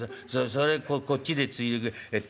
それこっちでついでくれ。